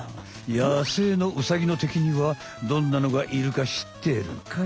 野生のウサギの敵にはどんなのがいるかしってるかい？